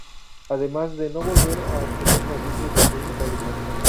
Además, de no volver a tener noticias de su única hija.